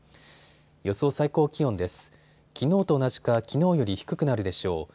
予想最高気温です。